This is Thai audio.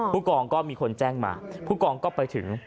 ผู้กองก็มีคนแจ้งมาผู้กองก็ไปถึง